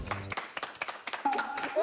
え